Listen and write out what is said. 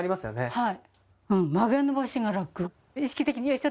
はい。